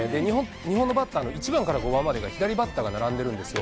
日本のバッターの１番から５番までが左バッターが並んでるんですよ。